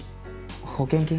保険金？